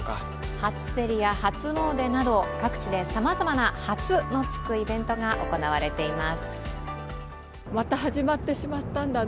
初競りや初詣など各地でさまざまな「初」のつくイベントが行われています。